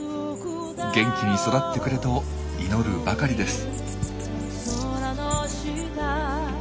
「元気に育ってくれ」と祈るばかりです。